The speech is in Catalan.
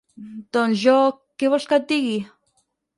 Doncs jo... què vols que et digui?